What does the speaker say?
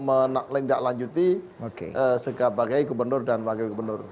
untuk mendaklanjuti sebagai gubernur dan wakil gubernur